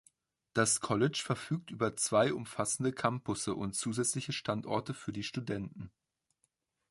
Das College verfügt über zwei umfassende Campusse und zusätzliche Standorte für die Studenten.